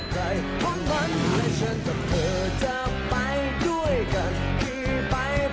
ขอดูเลย